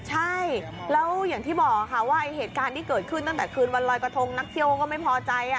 ใช่แล้วอย่างที่บอกค่ะว่าเหตุการณ์ที่เกิดขึ้นตั้งแต่คืนวันรอยกระทงนักเที่ยวก็ไม่พอใจ